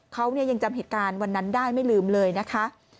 เขายังจำเหตุการณ์วันนั้นได้ไม่ลืมเลยนะคะ